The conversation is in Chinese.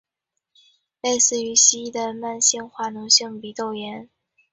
类似于西医的慢性化脓性鼻窦炎。